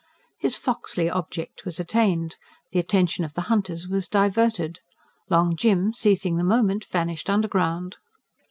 His foxly object was attained. The attention of the hunters was diverted. Long Jim, seizing the moment, vanished underground.